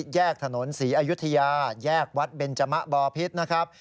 แยกถนนศรีอยุธยาแยกวัดเบนจมะบอพิษนะครับ